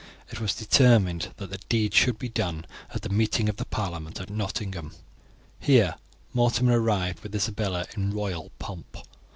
It was determined that the deed should be done at the meeting of the parliament at Nottingham. Here Mortimer appeared with Isabella in royal pomp.